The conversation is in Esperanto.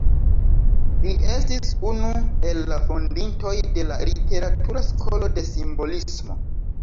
Li estis unu el la fondintoj de la literatura skolo de simbolismo.